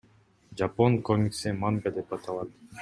Жапон комикси манга деп аталат.